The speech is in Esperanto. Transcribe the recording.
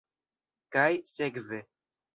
Kaj sekve.